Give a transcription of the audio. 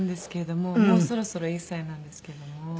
もうそろそろ１歳なんですけれども。